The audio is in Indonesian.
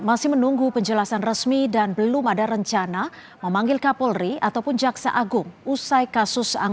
masih menunggu penjelasan resmi dan belum ada rencana memanggil kapolri ataupun jaksa agung usai kasus